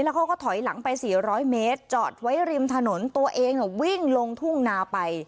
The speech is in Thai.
เขาก็ถอยหลังไป๔๐๐เมตรจอดไว้ริมถนนตัวเองวิ่งลงทุ่งนาไป